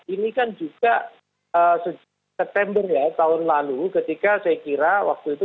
ini kan juga september ya tahun lalu ketika saya kira waktu itu